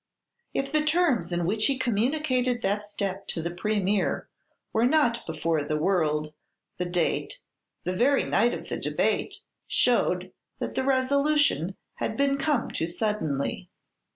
If the terms in which he communicated that step to the Premier were not before the world, the date, the very night of the debate, showed that the resolution had been come to suddenly.